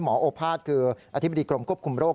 โอภาษย์คืออธิบดีกรมควบคุมโรค